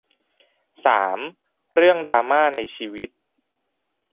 สาม เรื่องดราม่าในชีวิต